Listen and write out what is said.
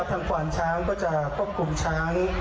ดึงเด็กออกก่อนเนี่ย